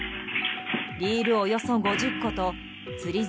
リール、およそ５０個と釣り竿